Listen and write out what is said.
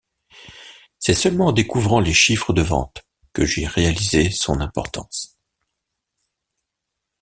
C'est seulement en découvrant les chiffres de vente que j'ai réalisé son importance.